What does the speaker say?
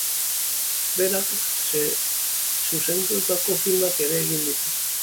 Berak zuzendutako filmak ere egin ditu.